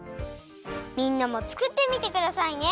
みんなもつくってみてくださいね。